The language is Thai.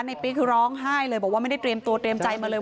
ปิ๊กคือร้องไห้เลยบอกว่าไม่ได้เตรียมตัวเตรียมใจมาเลย